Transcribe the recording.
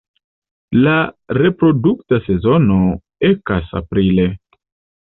La reprodukta sezono ekas aprile.